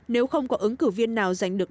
nếu không có ứng cử viên nào giành được